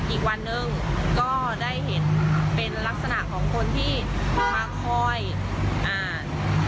อีกวันหนึ่งก็ได้เห็นเป็นลักษณะของคนที่มาคอยอ่าน